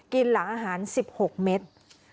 กินหลังอาหาร๑๐หกเมตร